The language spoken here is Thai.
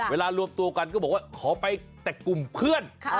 รวมตัวกันก็บอกว่าขอไปแต่กลุ่มเพื่อน